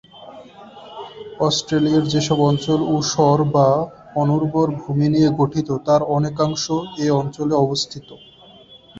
অস্ট্রেলিয়ার যেসব অঞ্চল ঊষর বা অনুর্বর ভূমি নিয়ে গঠিত তার অনেকাংশ এ অঞ্চলে অবস্থিত।